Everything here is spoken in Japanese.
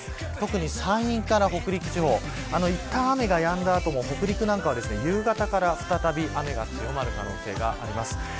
特に山陰から北陸地方、いったん雨がやんだ後も、北陸なんかは夕方から再び雨が強まる可能性があります。